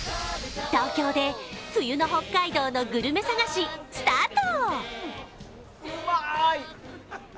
東京で冬の北海道のグルメ探しスタート！